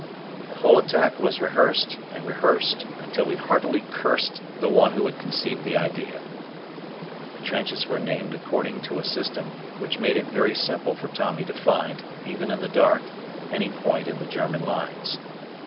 The whole attack was rehearsed and rehearsed until we heartily cursed the one who had conceived the idea. The trenches were named according to a system which made it very simple for Tommy to find, even in the dark, any point in the German lines.